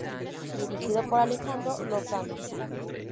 Dirigido por Alejandro Lozano.